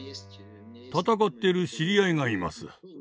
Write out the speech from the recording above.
戦っている知り合いがいます。